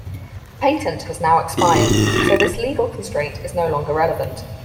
The patent has now expired, so this legal constraint is no longer relevant.